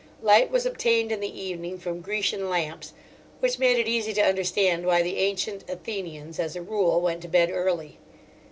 Light was obtained in the evening from Grecian lamps, which made it easy to understand why the ancient Athenians, as a rule, went to bed early.